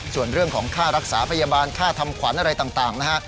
ส่วนเรื่องของค่ารักษาพยาบาลค่าทำขวัญอะไรต่างนะฮะ